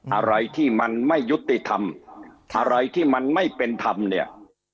อะไรที่มันไม่ยุติธรรมอะไรที่มันไม่เป็นธรรมเนี่ย